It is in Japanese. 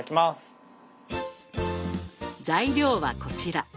材料はこちら。